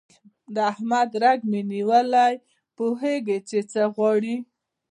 د احمد رګ مې نیولی، پوهېږ چې څه غواړي.